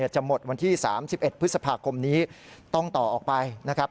จะหมดวันที่๓๑พฤษภาคมนี้ต้องต่อออกไปนะครับ